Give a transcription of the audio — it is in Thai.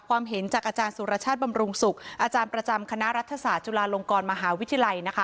เห็นจากอาจารย์สุรชาติบำรุงศุกร์อาจารย์ประจำคณะรัฐศาสตร์จุฬาลงกรมหาวิทยาลัยนะคะ